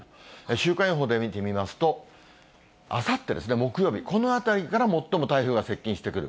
週間予報で見てみますと、あさってですね、木曜日、このあたりから最も台風が接近してくる。